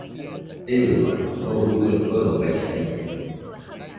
¡Euruaɨ! oo urue korobaisaide